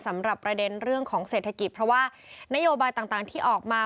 สำหรับประเด็นเรื่องของเศรษฐกิจเพราะว่านโยบายต่างที่ออกมา